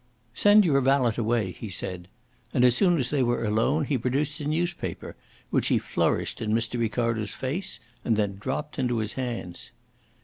"Send your valet away," he said. And as soon as they were alone he produced a newspaper, which he flourished in Mr. Ricardo's face and then dropped into his hands.